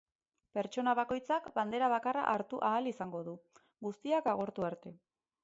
Pertsona bakoitzak bandera bakarra hartu ahal izango du, guztiak agortu arte.